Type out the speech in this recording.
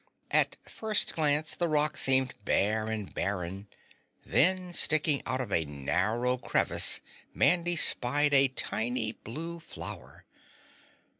At first glance, the rock seemed bare and barren, then sticking up out of a narrow crevice Mandy spied a tiny blue flower.